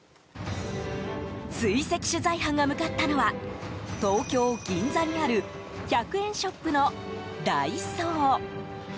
追跡取材班が向かったのは東京・銀座にある１００円ショップのダイソー。